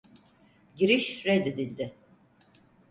Giriş reddedildi.